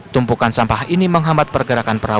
tumpukan sampah ini menghambat pergerakan perahu